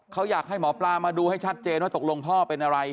เขาอยากให้หมอปลามาดูให้ชัดเจนว่าตกลงพ่อเป็นอะไร